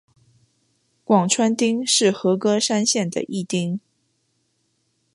广川町是和歌山县的一町。